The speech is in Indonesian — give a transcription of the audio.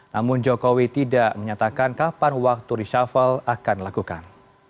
namun jokowi tidak menyatakan kapan waktu reshuffle akan dilakukan